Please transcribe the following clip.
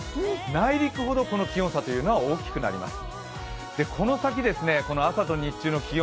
内陸ほどその気温差というのは大きくなります。